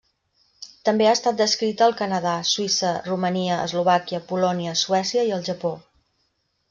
També ha estat descrita al Canadà, Suïssa, Romania, Eslovàquia, Polònia, Suècia i el Japó.